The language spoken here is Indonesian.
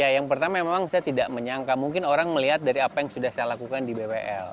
yang pertama memang saya tidak menyangka mungkin orang melihat dari apa yang sudah saya lakukan di bwl